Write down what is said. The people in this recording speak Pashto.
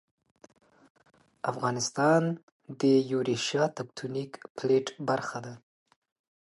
افغانستان د یوریشیا تکتونیک پلیټ برخه ده